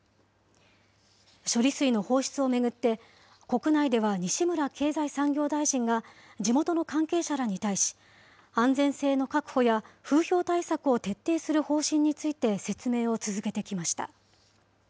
処理水の放出を巡って、国内では西村経済産業大臣が地元の関係者らに対し、安全性の確保や風評対策を徹底する方針について説明を続けてきました。